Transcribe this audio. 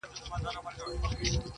اوس مي د كلي ماسومان ځوروي.